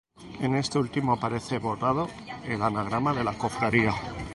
En este último aparece bordado el anagrama de la Cofradía.